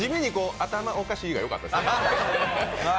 頭おかしいがよかったですね。